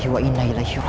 kamu akan usai abin diri